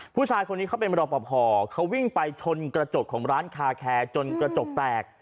ผู้ชายคนนี้เขาเป็นรอปภเขาวิ่งไปชนกระจกของร้านคาแคร์จนกระจกแตก